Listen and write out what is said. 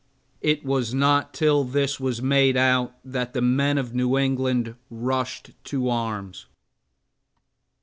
It was not till this was made out that the men of New England rushed to arms.